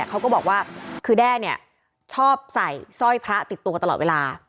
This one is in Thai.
เขาก็บอกว่าคือแด้เนี่ยชอบใส่สร้อยพระติดตัวตลอดเวลา